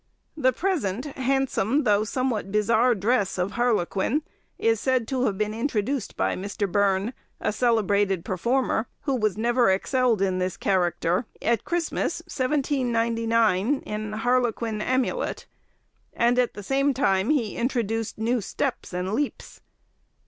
The present handsome though somewhat bizarre dress of harlequin, is said to have been introduced by Mr. Byrne, a celebrated performer, who was never excelled in this character, at Christmas, 1799, in 'Harlequin Amulet,' and at the same time he introduced new steps and leaps.